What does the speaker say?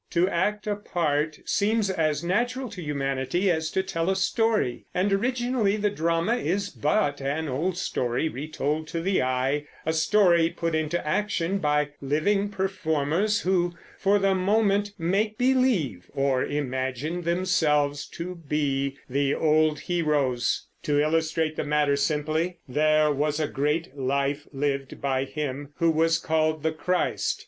To act a part seems as natural to humanity as to tell a story; and originally the drama is but an old story retold to the eye, a story put into action by living performers, who for the moment "make believe" or imagine themselves to be the old heroes. To illustrate the matter simply, there was a great life lived by him who was called the Christ.